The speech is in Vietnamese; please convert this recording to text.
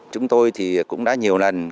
chúng tôi thì cũng đã nhiều lần